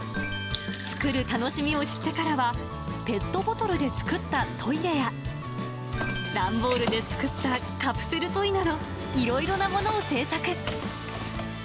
作る楽しみを知ってからは、ペットボトルで作ったトイレや、段ボールで作ったカプセルトイなど、いろいろなものを制作。